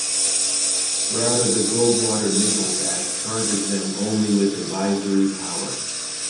Rather, the Goldwater-Nichols Act charges them only with advisory power.